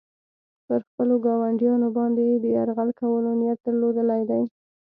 پر خپلو ګاونډیانو باندې یې د یرغل کولو نیت درلودلی دی.